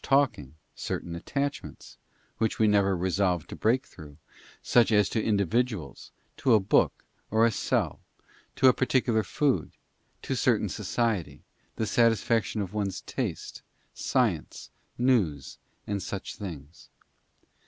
41 talking, certain attachments, which we never resolve to break through—such as to individuals, to a book or a cell, to a particular food, to certain society, the satisfaction of one's taste, science, news, and such things.